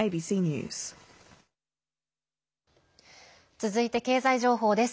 続いて経済情報です。